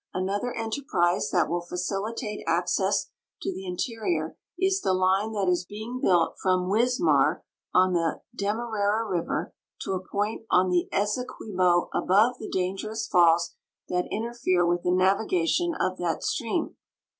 Another enterprise that will facilitate access to the interior is the line that is being built from AVismar, on the Demerara river, to a point on the Esequibo above the dangerous falls that interfere with the navigation of that stream.